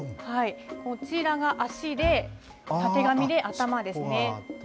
こちらが足でたてがみで頭ですね。